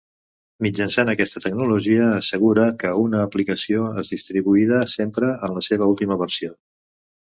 Mitjançant aquesta tecnologia assegura que una aplicació és distribuïda sempre en la seva última versió.